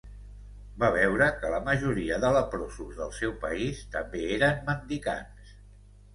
Va veure que la majoria de leprosos del seu país també eren mendicants.